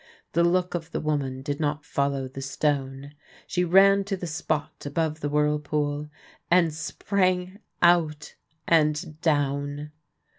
The look of the woman did not follow the stone. She ran to the spot above the whirlpool, and sprang out and down.